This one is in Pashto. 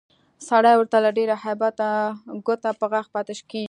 سړی ورته له ډېره هیبته ګوته په غاښ پاتې کېږي